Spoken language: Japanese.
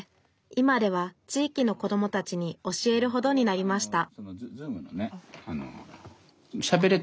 今では地域の子どもたちに教えるほどになりました